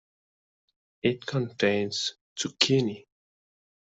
It contains Zucchini.